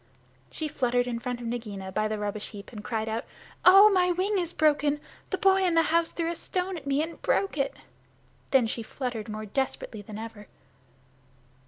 She fluttered in front of Nagaina by the rubbish heap and cried out, "Oh, my wing is broken! The boy in the house threw a stone at me and broke it." Then she fluttered more desperately than ever.